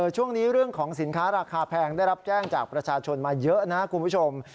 ช่วงนี้เรื่องของสินค้าราคาแพงได้รับแจ้งจากประชาชนมาเยอะนะคุณผู้ชม